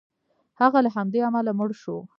هغه له همدې امله مړ شو.